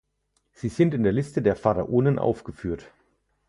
Sie sind in der Liste der Pharaonen aufgeführt.